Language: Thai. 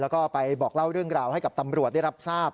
แล้วก็ไปบอกเล่าเรื่องราวให้กับตำรวจได้รับทราบ